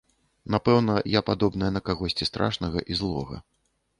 Напэўна, я падобная на кагосьці страшнага і злога.